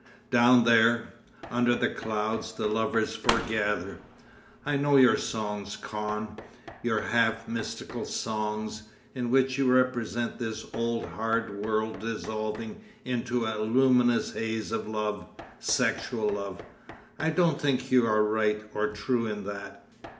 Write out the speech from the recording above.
Down there,—under the clouds, the lovers foregather. I know your songs, Kahn, your half mystical songs, in which you represent this old hard world dissolving into a luminous haze of love—sexual love.... I don't think you are right or true in that.